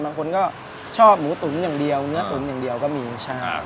บางคนก็ชอบหมูตุ๋นอย่างเดียวเนื้อตุ๋นอย่างเดียวก็มีใช่ครับ